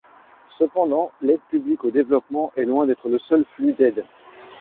Cependant l'aide publique au développement est loin d'être le seul flux d'aide.